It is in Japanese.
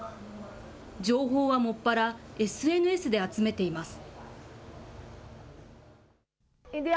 情報はもっぱらＳＮＳで集めています。